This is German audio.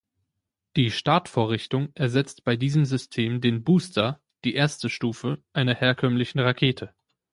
Die Startvorrichtung ersetzt bei diesem System den Booster (die erste Stufe) einer herkömmlichen Rakete.